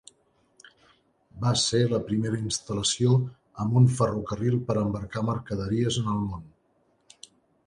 Va ser la primera instal·lació amb un ferrocarril per embarcar mercaderies en el món.